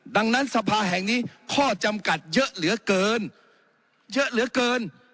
ดังนั้นสภาแห่งนี้ข้อจำกัดเยอะเหลือเกินเยอะเหลือเกิน